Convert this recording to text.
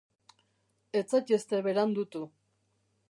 Ez zaitezte berandutu.